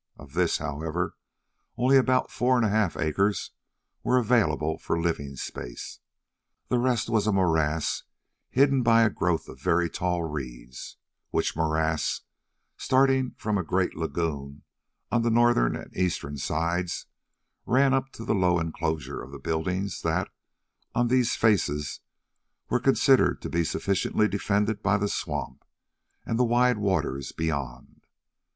Of this, however, only about four and a half acres were available for a living space; the rest was a morass hidden by a growth of very tall reeds, which morass, starting from a great lagoon on the northern and eastern sides, ran up to the low enclosure of the buildings that, on these faces, were considered to be sufficiently defended by the swamp and the wide waters beyond.